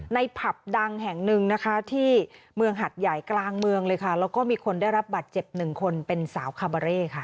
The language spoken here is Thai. ผับดังแห่งหนึ่งนะคะที่เมืองหัดใหญ่กลางเมืองเลยค่ะแล้วก็มีคนได้รับบัตรเจ็บหนึ่งคนเป็นสาวคาบาเร่ค่ะ